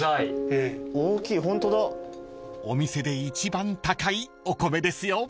［お店で一番高いお米ですよ］